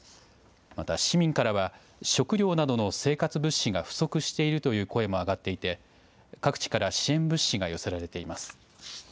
また、市民からは食料などの生活物資が不足しているという声も上がっていて各地から支援物資が寄せられています。